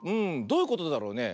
どういうことだろうね。